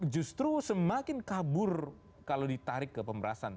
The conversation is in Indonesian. justru semakin kabur kalau ditarik ke pemerasan